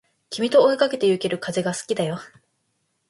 君と追いかけてゆける風が好きだよ